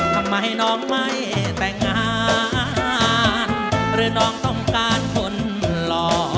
ทำไมน้องไม่แต่งงานหรือน้องต้องการคนหล่อ